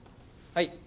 はい！